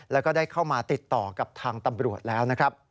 แล้วก็ได้เข้ามาติดต่อกับทางตำรวจแล้วนะครับ